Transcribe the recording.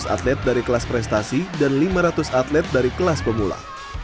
lima belas atlet dari kelas prestasi dan lima ratus atlet dari kelas pemula